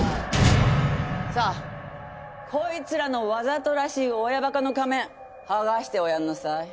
さあこいつらのわざとらしい親馬鹿の仮面剥がしておやんなさい！